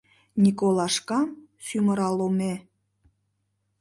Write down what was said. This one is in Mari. Николашкам сӱмыраломе.